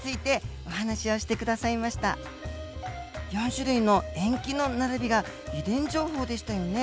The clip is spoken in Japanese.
４種類の塩基の並びが遺伝情報でしたよね。